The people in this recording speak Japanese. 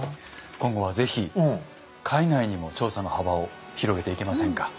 今後は是非海外にも調査の幅を広げていけませんか？